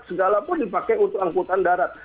segala pun dipakai untuk angkutan darat